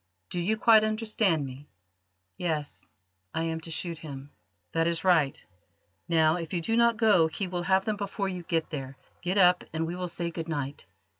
Do you quite understand me?" "Yes; I am to shoot him." "That is right. Now, if you do not go he will have them before you get there. Get up and we will say good night.